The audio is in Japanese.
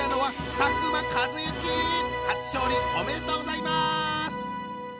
初勝利おめでとうございます！